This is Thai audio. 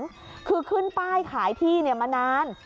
สมดำใจหวังคือขึ้นป้ายขายที่เนี่ยมานาน